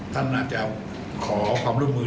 ท่านน่าจะขอความร่วมมือ